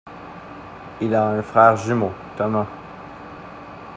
Il a un frère jumeau, Thomas.